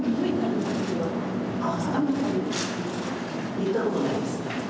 行ったことないです。